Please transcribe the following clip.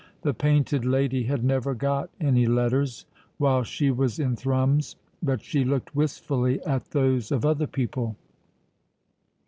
The Painted Lady had never got any letters while she was in Thrums, but she looked wistfully at those of other people.